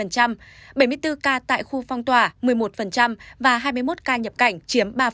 bảy mươi bốn ca tại khu phong tỏa một mươi một và hai mươi một ca nhập cảnh chiếm ba